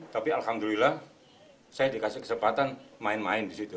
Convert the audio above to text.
tapi alhamdulillah saya dikasih kesempatan main main disitu